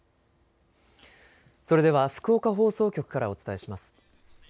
それでは福岡放送局からお伝えします。